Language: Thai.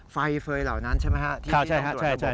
ไฟเฟย์เหล่านั้นใช่ไหมครับ